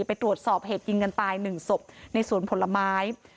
ไปตรวจสอบเหตุยิงกันตาย๑ศพในสวนผลไม้